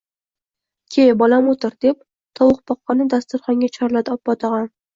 – Ke, bolam, o‘tir, – deb, tovuqboqarni dasturxonga chorladi opog‘otam